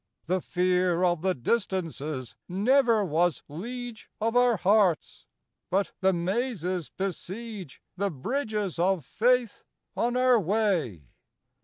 —The fear Of the Distances never was liege Of our hearts; but the Mazes besiege The bridges of Faith on our way.